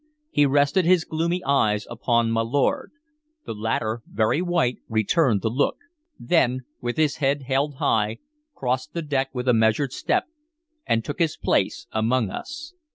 He rested his gloomy eyes upon my lord. The latter, very white, returned the look; then, with his head held high, crossed the deck with a measured step and took his place among us.